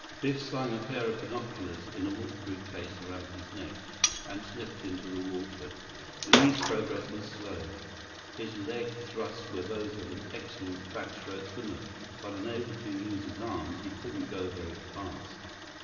Biff slung a pair of binoculars in a waterproof case around his neck and slipped into the water. Li's progress was slow. His leg thrusts were those of an excellent backstroke swimmer, but unable to use his arms, he couldn't go very fast.